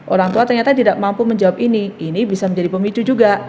orang tua ternyata tidak mampu menjawab ini ini bisa menjadi pemicu juga